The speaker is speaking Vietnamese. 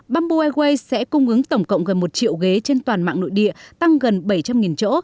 bamboo airways sẽ cung ứng tổng cộng gần một triệu ghế trên toàn mạng nội địa tăng gần bảy trăm linh chỗ